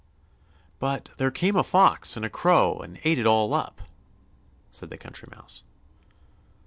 "But there came a fox and a crow and ate it all up," said the Country Mouse.